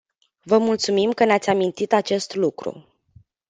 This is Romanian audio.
Vă mulțumim că ne-ați amintit acest lucru.